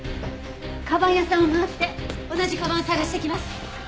かばん屋さんを回って同じかばんを探してきます！